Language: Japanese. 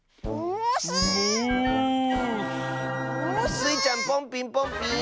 スイちゃんポンピンポンピーン！